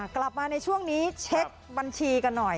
กลับมาในช่วงนี้เช็คบัญชีกันหน่อย